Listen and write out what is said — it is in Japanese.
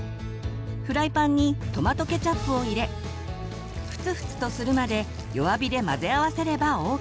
フライパンにトマトケチャップを入れふつふつとするまで弱火で混ぜ合わせればＯＫ。